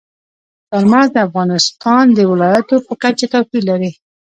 چار مغز د افغانستان د ولایاتو په کچه توپیر لري.